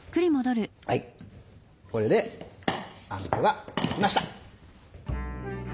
はいこれであんこができました。